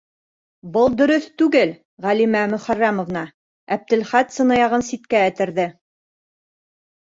Был дөрөҫ түгел, Ғәлимә Мөхәррәмовна, - Әптеләхәт сынаяғын ситкә этәрҙе.